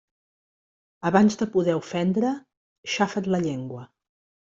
Abans de poder ofendre, xafa't la llengua.